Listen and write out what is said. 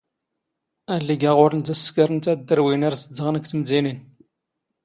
ⴰⵍⵍⵉⴳ ⴰⵖⵓⵍⵏ ⴷⴰ ⵙⵙⴽⴰⵔⵏ ⵜⴰⴷⴷⵔⵡⵉⵏ ⴰⵔ ⵣⴷⴷⵖⵏ ⴳ ⵜⵎⴷⵉⵏⵉⵏ.